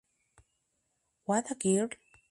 What a girl!